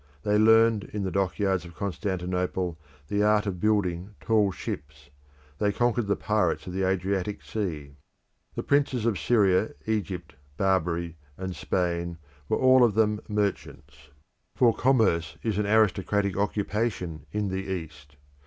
They learnt in the dockyards of Constantinople the art of building tall ships; they conquered the pirates of the Adriatic Sea. The princes of Syria, Egypt, Barbary, and Spain were all of them merchants, for commerce is an aristocratic occupation in the East.